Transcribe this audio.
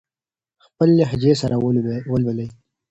خپل لهجې سره ولولئ.